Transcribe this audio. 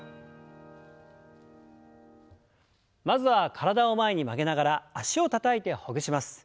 まずは体を前に曲げながら脚をたたいてほぐします。